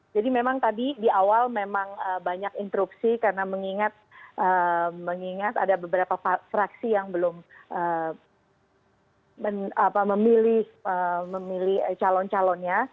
jadi memang tadi di awal memang banyak interupsi karena mengingat ada beberapa fraksi yang belum memilih calon calonnya